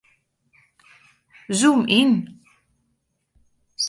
Zoom yn.